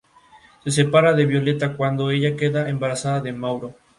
Se separa de violeta cuando ella queda embarazada de Mauro.